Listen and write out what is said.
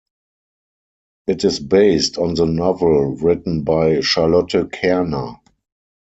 It is based on the novel written by Charlotte Kerner.